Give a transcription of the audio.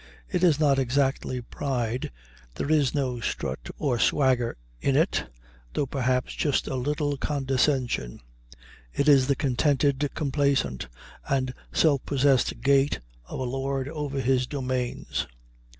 It is not exactly pride; there is no strut or swagger in it, though perhaps just a little condescension; it is the contented, complaisant, and self possessed gait of a lord over his domains.